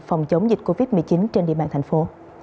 phòng chống dịch covid một mươi chín trên địa bàn thành phố